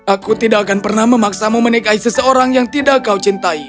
aku tidak akan pernah memaksamu menikahi seseorang yang tidak kau cintai